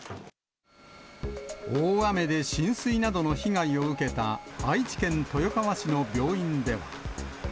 大雨で浸水などの被害を受けた愛知県豊川市の病院では。